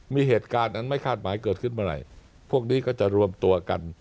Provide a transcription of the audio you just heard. มีเหตุการณ์อันไม่คาดหมายเกิดขึ้นเมื่อไหร่พวกนี้ก็จะรวมตัวกัน